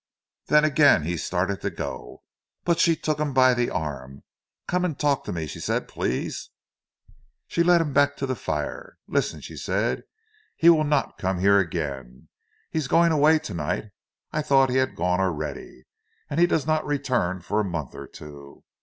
Then again he started to go. But she took him by the arm. "Come and talk to me," she said. "Please!" And she led him back to the fire. "Listen," she said. "He will not come here again. He is going away to night—I thought he had gone already. And he does not return for a month or two.